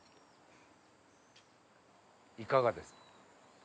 いかがですか？